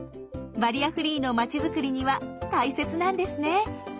バリアフリーの町づくりには大切なんですね。